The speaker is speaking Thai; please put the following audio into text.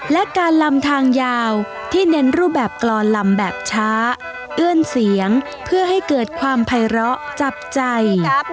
และการลำทางยาวที่เน้นรูปแบบกรอนลำแบบช้าเอื้อนเสียงเพื่อให้เกิดความภัยร้อจับใจ